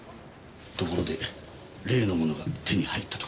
ところで例の物が手に入ったとか。